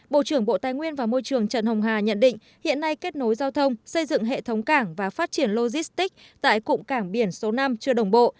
bộ trưởng bộ tài nguyên và môi trường trần hồng hà nhận định hiện nay kết nối giao thông xây dựng hệ thống cảng và phát triển logistics tại cụm cảng biển số năm chưa đồng bộ